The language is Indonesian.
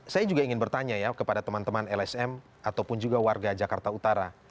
saya juga ingin bertanya ya kepada teman teman lsm ataupun juga warga jakarta utara